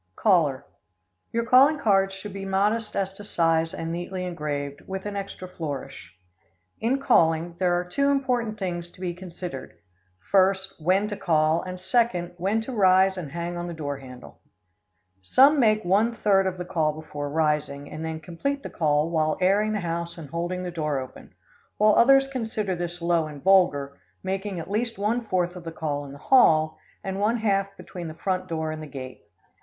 Caller Your calling cards should be modest as to size and neatly engraved, with an extra flourish. In calling, there are two important things to be considered: First, when to call, and, second, when to rise and hang on the door handle. Some make one third of the call before rising, and then complete the call while airing the house and holding the door open, while others consider this low and vulgar, making at least one fourth of the call in the hall, and one half between the front door and the gate.